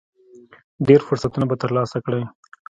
ډېر فرصتونه به ترلاسه کړئ .